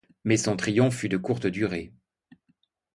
Mais son triomphe fut de courte durée.